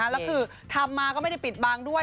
แล้วคือทำมาก็ไม่ได้ปิดบางด้วย